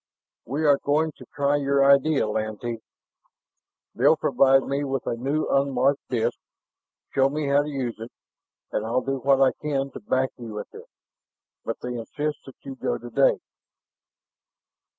"We are going to try your idea, Lantee. They'll provide me with a new, unmarked disk, show me how to use it. And I'll do what I can to back you with it. But they insist that you go today."